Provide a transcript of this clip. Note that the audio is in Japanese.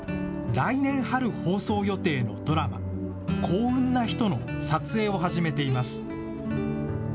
来年春放送予定のドラマ、幸運なひとの撮影を始めています。